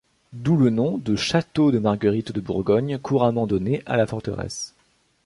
D'où le nom de château de Marguerite de Bourgogne couramment donné à la forteresse.